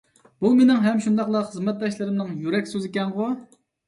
بۇ مېنىڭ ھەم شۇنداقلا خىزمەتداشلىرىمنىڭ يۈرەك سۆزىكەنغۇ!